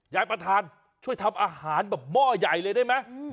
ยายประธานช่วยทำอาหารแบบหม้อใหญ่เลยได้ไหม